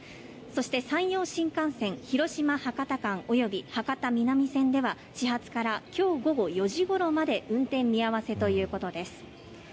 そして、山陽新幹線広島博多間、博多南線では始発から今日午後４時ごろまで運転見合わせということです。